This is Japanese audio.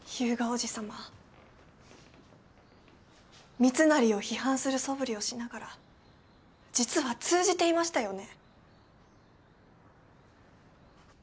密成を批判するそぶりをしながら実は通じていましたよね？